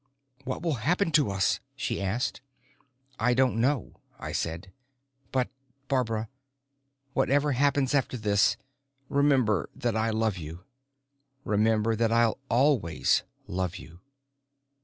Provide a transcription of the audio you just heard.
"What will happen to us?" she asked. "I don't know," I said. "But, Barbara, whatever happens after this, remember that I love you. Remember that I'll always love you."